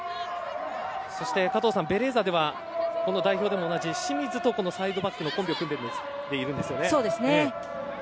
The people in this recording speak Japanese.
そして、加藤さんベレーザでは、代表でも同じ清水とサイドバックのコンビを組んでいるんですね。